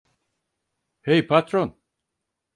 Hey, patron!